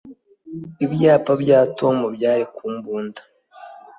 Ibyapa bya Tom byari ku mbunda